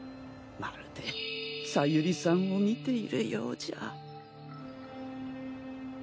まるで小百合さんを見ているようじゃ。